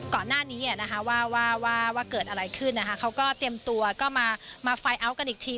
ก่อนหน้านี้นะคะว่าเกิดอะไรขึ้นนะคะเขาก็เตรียมตัวก็มาไฟล์เอาท์กันอีกที